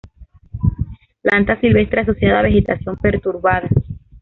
Planta silvestre asociada a vegetación perturbada.